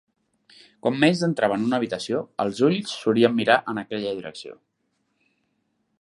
Quan Mays entrava en una habitació, els ulls solien mirar en aquella direcció.